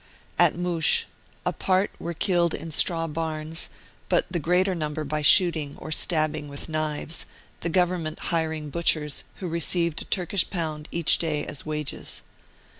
At Moush, a part were killed in straw barns, but the greater number by shooting or stabbing with knives, the Government hiring butchers, who re ceived a Turkish pound each day as wages.